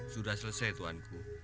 sudah selesai tuhan ku